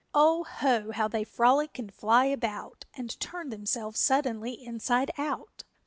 _ O ho, how they frolic and fly about And turn themselves suddenly inside out!